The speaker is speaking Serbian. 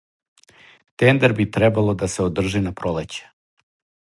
Тендер би требало да се одржи на пролеће.